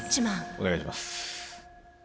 お願いします。